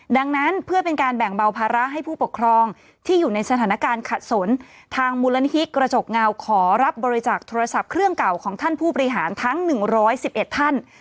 ดังนั้นเพื่อเป็นการแบ่งเบาภาระให้ผู้ปกครองที่อยู่ในสถานการณ์ขัดสนทางมูลนิธิกระจกเงาขอรับบริจาคโทรศัพท์เครื่องเก่าของท่านผู้บริหารทั้ง๑๑๑ท่าน